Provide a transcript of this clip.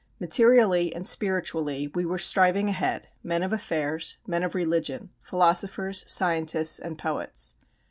Materially and spiritually we were striving ahead, men of affairs, men of religion, philosophers, scientists, and poets.